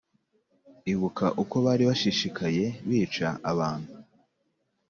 Ibuka uko bari bashishikaye Bica abantu